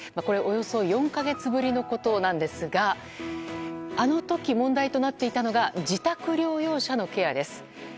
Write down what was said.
これ、およそ４か月ぶりのことなんですがあの時、問題となっていたのが自宅療養者のケアです。